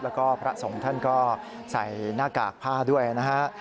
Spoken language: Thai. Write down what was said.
แล้วก็พระสงฆ์ท่านก็ใส่หน้ากากผ้าด้วยนะฮะ